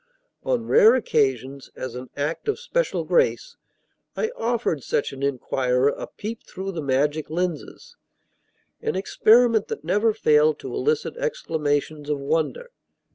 On rare occasions, as an act of special grace, I offered such an inquirer a peep through the magic lenses, an experiment that never failed to elicit exclamations of wonder.